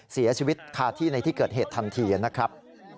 เสียชีวิตคาที่ในที่เกิดเหตุทันทีนะครับ